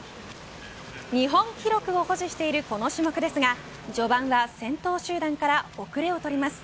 日本記録を保持しているこの種目ですが序盤は先頭集団から後れをとります。